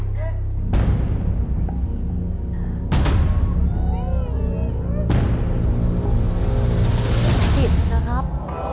ผิดนะครับ